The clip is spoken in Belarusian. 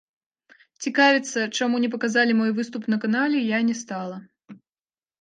Цікавіцца, чаму не паказалі мой выступ на канале, я не стала.